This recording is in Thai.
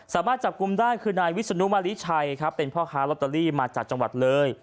สามารถจับกลุ่มได้คือนายวิศนุมาริชัยครับเป็นพ่อค้าลอตเตอรี่มาจากจังหวัดเลย